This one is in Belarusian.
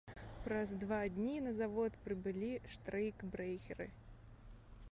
Праз два дні на завод прыбылі штрэйкбрэхеры.